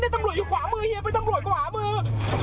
ตำรวจอยู่ขวามือเฮียเป็นตำรวจขวามือ